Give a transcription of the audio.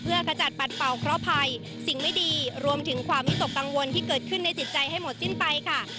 เพื่อขจัดปัดเป่าเคราะหภัยสิ่งไม่ดีรวมถึงความวิตกกังวลที่เกิดขึ้นในจิตใจให้หมดสิ้นไปค่ะ